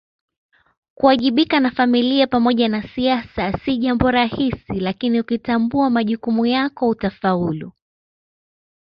Kuwajibika na Familia pamoja na siasa si jambo rahisi lakini ukitambua majukumu yako utafaulu